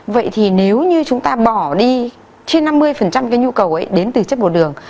vậy thì nếu như chúng ta bỏ đi trên năm mươi cái nhu cầu ấy đến từ chất bột đường